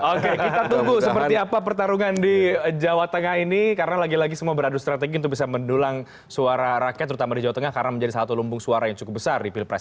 oke kita tunggu seperti apa pertarungan di jawa tengah ini karena lagi lagi semua beradu strategi untuk bisa mendulang suara rakyat terutama di jawa tengah karena menjadi satu lumbung suara yang cukup besar di pilpres dua ribu sembilan